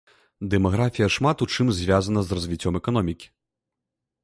Дэмаграфія шмат у чым звязана з развіццём эканомікі.